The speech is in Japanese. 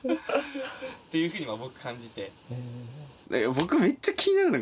っていうふうには僕感じて。